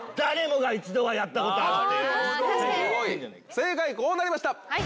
正解こうなりました。